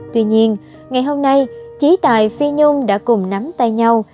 tuy nhiên ngày hôm nay trí tài phi nhung đã cùng nắm tay nhau